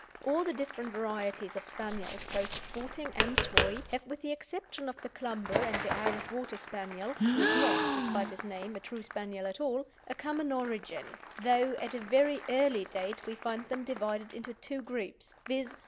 All the different varieties of Spaniels, both sporting and toy, have, with the exception of the Clumber and the Irish Water Spaniel (who is not, despite his name, a true Spaniel at all), a common origin, though at a very early date we find them divided into two groups viz.